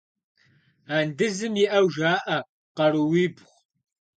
Андызым иӏэу жаӏэ къарууибгъу.